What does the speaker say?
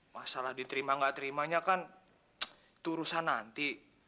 masalah diterima nggak terimanya kan itu urusan nanti